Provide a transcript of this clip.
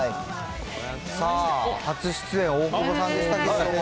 さあ、初出演、大久保さんでしたけれども。